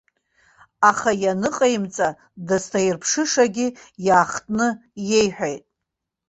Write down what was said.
Аха ианыҟаимҵа дызҭаирԥшышагьы иаахтны иеиҳәеит.